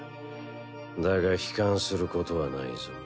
だが悲観することはないぞ。